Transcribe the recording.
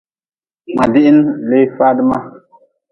Ma dihin lee faadi ma.